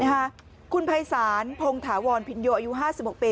นะฮะคุณภัยศาลพงธาวรพินโยอายุห้าสิบหกปี